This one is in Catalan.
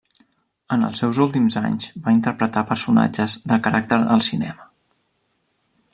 En els seus últims anys va interpretar personatges de caràcter al cinema.